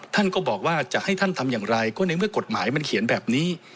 ท่านก็บอกว่าจะให้ท่านทำอย่างไรก็ในเมื่อกฎหมายมันเขียนแบบนี้